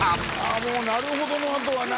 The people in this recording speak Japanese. もう「なるほど」のあとは何？